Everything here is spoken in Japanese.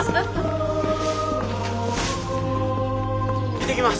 行ってきます。